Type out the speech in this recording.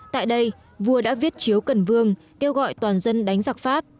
tại đây vua đã viết chiếu cần vương kêu gọi toàn dân đánh giặc pháp